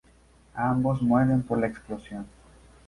Ambos mueren por la explosión.